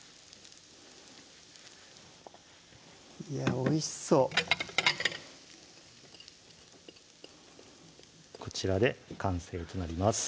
いやおいしそうこちらで完成となります